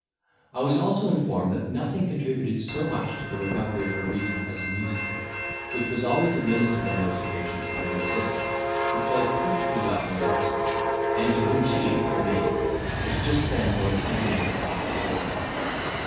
I was also informed that nothing contributed so much to the recovery of her reason as music, which was always administered on those occasions by Narcissa, who played perfectly well on the harpsichord, and to whom she (the maid) was just then going to intimate her aunt's disorder.